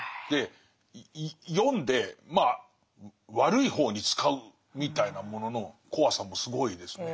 読んでまあ悪い方に使うみたいなものの怖さもすごいですね。